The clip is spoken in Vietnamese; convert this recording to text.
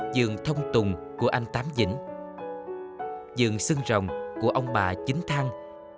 dường thông tùng của anh tám vĩnh dường sưng rồng của ông bà chính thăng